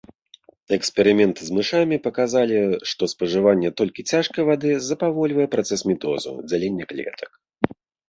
Эксперыменты з мышамі паказалі, што спажыванне толькі цяжкай вады запавольвае працэс мітозу, дзялення клетак.